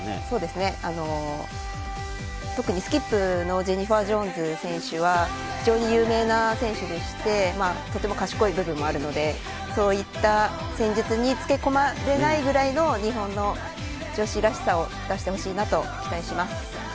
そうですね、特にスキップのジェニファー・ジョーンズ選手は有名な選手で賢い部分もあるので、そういった戦術につけこまれないくらいの日本の女子らしさを出してほしいと期待しています。